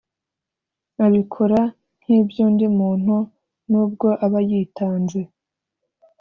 abikora nk’iby’undi muntu n’ubwo aba yitanze